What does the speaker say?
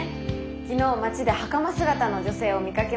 昨日街ではかま姿の女性を見かけました。